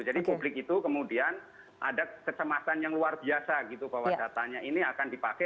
jadi publik itu kemudian ada kesempatan yang luar biasa gitu bahwa datanya ini akan dipakai